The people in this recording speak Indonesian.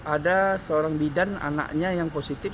ada seorang bidan anaknya yang positif